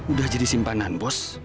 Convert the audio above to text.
udah jadi simpanan bos